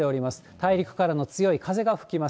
大陸からの強い風が吹きます。